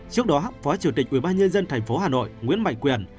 trước đó phó chủ tịch ubnd tp hcm nguyễn mạnh quyền